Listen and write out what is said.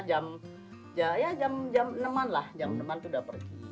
jam jam jam jam enam an lah jam enam an itu udah pergi